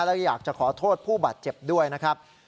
และอยากจะขอโทษผู้บาดเจ็บด้วยนะครับ